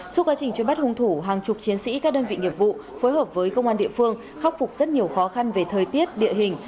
trong chuyến bắt hung thủ hàng chục chiến sĩ các đơn vị nghiệp vụ phối hợp với công an địa phương khắc phục rất nhiều khó khăn về thời tiết địa hình